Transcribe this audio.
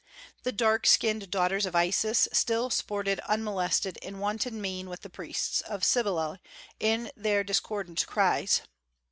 The "dark skinned daughters of Isis" still sported unmolested in wanton mien with the priests of Cybele in their discordant cries.